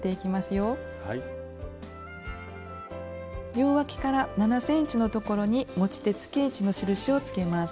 両わきから７ｃｍのところに持ち手つけ位置の印をつけます。